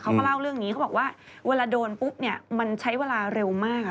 เขาก็เล่าเรื่องนี้เขาบอกว่าเวลาโดนปุ๊บเนี่ยมันใช้เวลาเร็วมาก